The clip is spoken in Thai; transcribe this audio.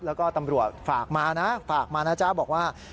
แล้วก็ตำรวจฝากมานะฝากมานะจ๊ะบอกว่า